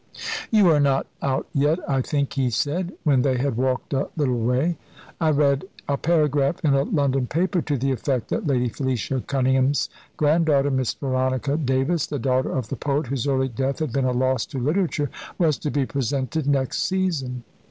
"You are not out yet, I think," he said, when they had walked a little way. "I read a paragraph in a London paper to the effect that Lady Felicia Cunningham's granddaughter, Miss Veronica Davis, the daughter of the poet whose early death had been a loss to literature, was to be presented next season."